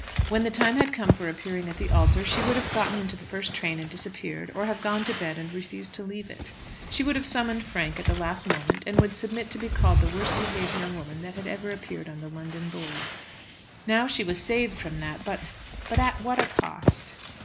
When the time had come for appearing at the altar, she would have got into the first train and disappeared, or have gone to bed and refused to leave it. She would have summoned Frank at the last moment, and would submit to be called the worst behaved young woman that had ever appeared on the London boards. Now she was saved from that; but, but at what a cost!